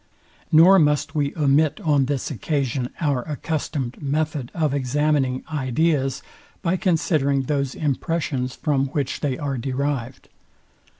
Nor must we omit on this occasion our accustomed method of examining ideas by considering those impressions, from which they are derived.